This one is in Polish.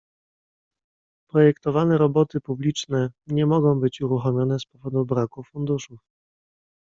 "Projektowane roboty publiczne nie mogą być uruchomione z powodu braku funduszów."